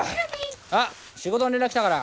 あっ仕事の連絡来たから。